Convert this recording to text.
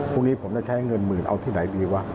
พรุ่งนี้ผมจะใช้เงินหมื่นเอาที่ไหนดีวะ